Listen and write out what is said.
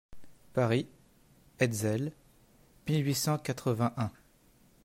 Paris, Hetzel, mille huit cent quatre-vingt-un.